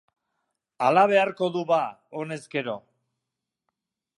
Hala beharko du ba honezkero.